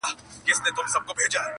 ما به لیده چي زولنې دي ماتولې اشنا!